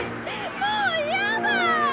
もう嫌だ！